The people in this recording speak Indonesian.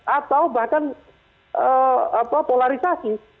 atau bahkan polarisasi